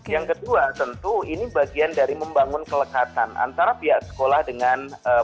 yang kedua tentu ini bagian dari membangun kelekatan antara pihak sekolah dengan